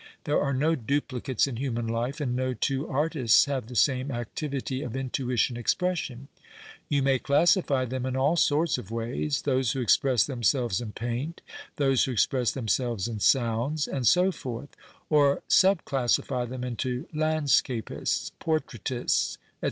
There are no duplicates in human life and no two artists have tiie same activity of intuition expression. You may classify tluin in all sorts of ways ; those who express themselves in paint, those who express themselves in sounds, and so forth ; or sub classify them into landseapists, portraitists, etc.